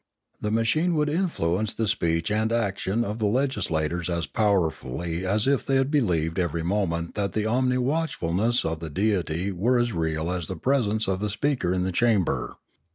The machine would influence the speech and action of the legislators as powerfully as if they believed every moment that the omni watchf ulness of the deity were as 522 Limanora real as the presence of the Speaker in the chamber.